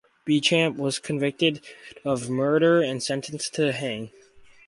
Beauchamp was convicted of the murder and sentenced to hang.